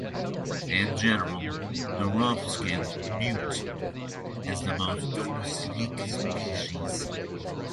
In general, the rough-skinned newt is the most toxic species.